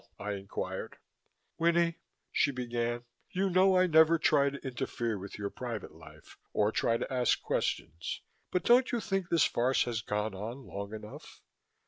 I inquired. "Winnie," she began, "you know I never try to interfere with your private life or try to ask questions, but don't you think this farce has gone on long enough?"